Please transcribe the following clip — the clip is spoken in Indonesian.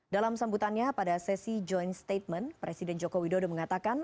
dalam sambutannya pada sesi joint statement presiden joko widodo mengatakan